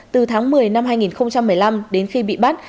từ tháng một mươi năm hai nghìn một mươi năm đến khi bị bắt